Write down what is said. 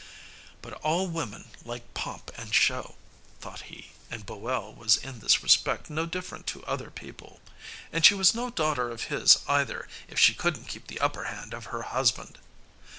But all women like pomp and show, thought he, and Boel was in this respect no different to other people. And she was no daughter of his either, if she couldn't keep the upper hand of her husband.